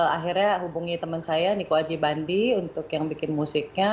akhirnya hubungi temen saya niko aji bandi untuk yang bikin musiknya